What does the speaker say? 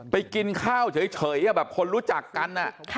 กินข้าวเฉยแบบคนรู้จักกัน